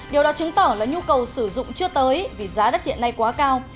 điều đó chứng tỏ là nhu cầu sử dụng chưa tới vì giá đất hiện nay quá cao